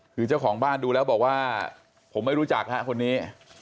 คือเจ้าของบ้านดูแล้วบอกว่าผมไม่รู้จักฮะคนนี้